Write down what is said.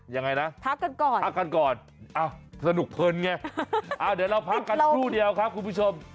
ยังไงนะพักกันก่อนพักกันก่อนสนุกเพลินไงเดี๋ยวเราพักกันครู่เดียวครับคุณผู้ชม